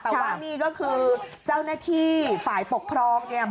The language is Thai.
แต่ว่านี่ก็คือเจ้าหน้าที่ฝ่ายปกครองเนี่ย